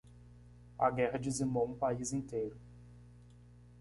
A guerra dizimou um país inteiro